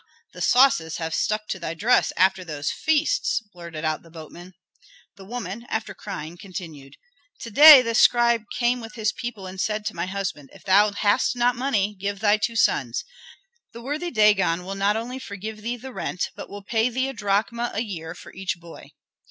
the sauces have stuck to thy dress after those feasts," blurted out the boatman. The woman, after crying, continued, "To day this scribe came with his people, and said to my husband, 'If thou hast not money, give thy two sons. The worthy Dagon will not only forgive thee the rent, but will pay thee a drachma a year for each boy.'"